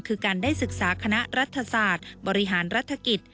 คือการได้ศึกษาคณะรัฐศาสตร์บริหารรัฐกิจ